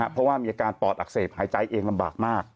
เพราะว่ามีอาการปอดอักเสบหายใจเองลำบากมาก